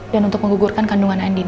dan untuk menggugurkan kandungan andin